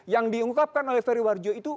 yang diungkapkan oleh ferry warjo itu